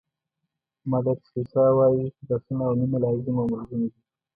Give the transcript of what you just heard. مادر تریسیا وایي بښنه او مینه لازم او ملزوم دي.